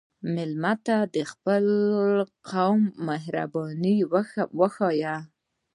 مېلمه ته د خپل قوم مهرباني وښیه.